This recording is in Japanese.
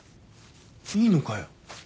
いいのかよ？